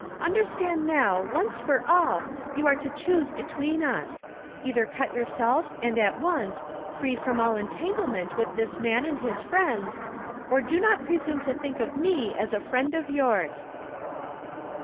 Undei stand now, once for all, you are to choose between us. Either cut your self, and at once, free from all cntatiglcment with this man and his friends, or do not presume to think of me as a friend of yours."